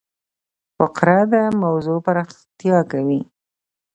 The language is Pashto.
فقره د موضوع پراختیا کوي.